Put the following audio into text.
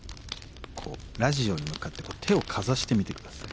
こうラジオに向かって手をかざしてみて下さい。